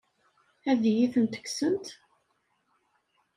Ad iyi-tent-kksent?